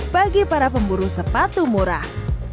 bagi para pemburu sepatu murah